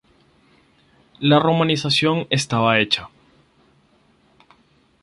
La romanización estaba hecha.